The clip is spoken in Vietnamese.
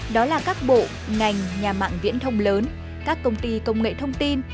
đó là các bộ ngành nhà mạng viễn thông lớn các công ty công nghệ thông tin